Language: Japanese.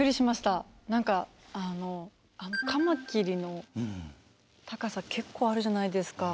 何かカマキリの高さ結構あるじゃないですか。